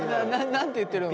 何て言ってるのか。